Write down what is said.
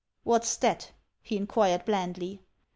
"What's that?" he inquired blandly.